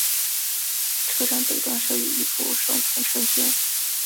车站北端设有一副双存车线。